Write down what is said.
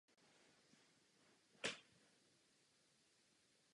Zajímal se o botaniku a také o ostatní přírodní vědy.